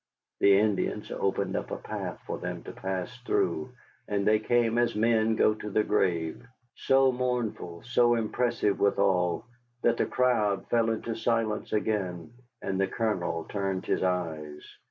The Indians opened up a path for them to pass through, and they came as men go to the grave. So mournful, so impressive withal, that the crowd fell into silence again, and the Colonel turned his eyes.